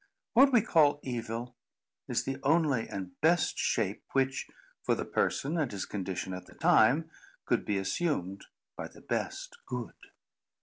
What we call evil, is the only and best shape, which, for the person and his condition at the time, could be assumed by the best good.